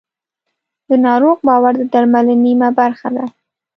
د ناروغ باور د درملنې نیمه برخه ده.